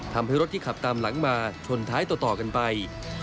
ทำให้รถที่ขับตามหลังมาชนท้ายต่อกันไป